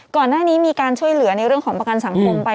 ก่อนหน้านี้มีการช่วยเหลือในเรื่องของประกันสังคมไป